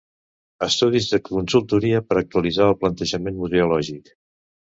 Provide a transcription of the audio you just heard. Estudis de consultoria per actualitzar el plantejament museològic.